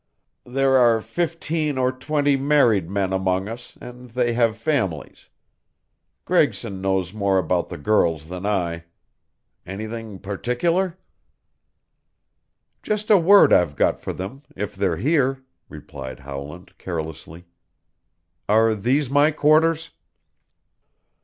There are fifteen or twenty married men among us and they have families. Gregson knows more about the girls than I. Anything particular?" "Just a word I've got for them if they're here," replied Howland carelessly. "Are these my quarters?"